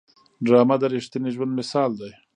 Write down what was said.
ډرامه د رښتیني ژوند مثال دی